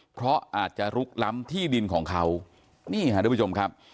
เพราะอาจจะลุกล้ำที่ดินของเขานี่ค่ะทุกผู้ชมครับ